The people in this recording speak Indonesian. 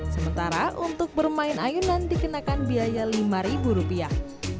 sementara untuk bermain ayunan dikenakan biaya lima rupiah